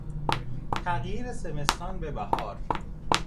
تغییر زمستان به بهار